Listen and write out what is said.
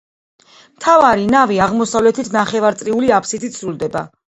მთავარი ნავი აღმოსავლეთით ნახევარწრიული აბსიდით სრულდება.